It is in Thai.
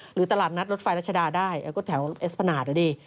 หรือตลาดนัดรถไฟรัชดาได้ก็แถวเอสพนาตอ่ะดิ